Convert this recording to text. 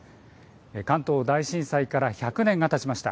関東大震災から１００年がたちました。